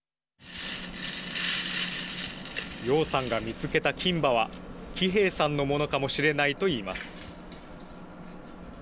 楊さんが見つけた金歯は喜平さんのものかもしれないといいます。